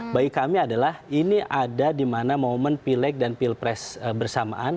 bagi kami adalah ini ada di mana momen pilek dan pilpres bersamaan